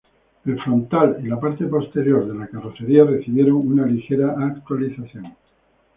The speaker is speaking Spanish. El frontal y la parte posterior de la carrocería recibieron una ligera actualización.